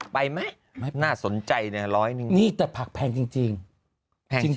ไปไหมไม่มันน่าสนใจและ๑๐๐นี่แต่ผักแพงจริงแพงจริง